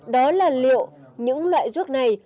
đó là liệu những loại ruốc này